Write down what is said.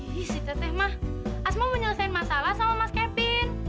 jijik cetek mah asma mau nyelesain masalah sama mas kevin